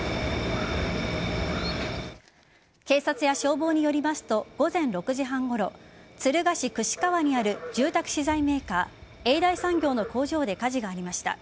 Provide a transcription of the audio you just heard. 警察や消防によりますと午前６時半ごろ敦賀市櫛川にある住宅資材メーカー永大産業の工場で火事がありました。